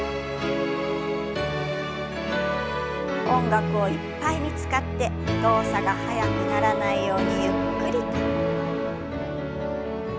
音楽をいっぱいに使って動作が速くならないようにゆっくりと。